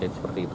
jadi seperti itu